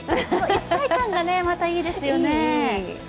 一体感もいいですよね。